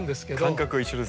感覚は一緒ですね。